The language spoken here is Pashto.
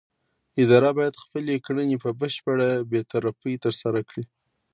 اداره باید خپلې کړنې په بشپړه بې طرفۍ ترسره کړي.